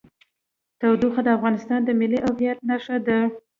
تودوخه د افغانستان د ملي هویت نښه ده.